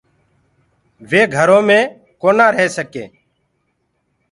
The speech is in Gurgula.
وي گھرو مي ڪونآ رهي سڪينٚ